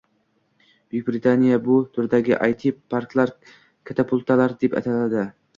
Buyuk Britaniyada bu turdagi AyTi parklar “katapultalar” deb ataladi.